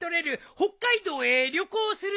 北海道へ旅行するなんて。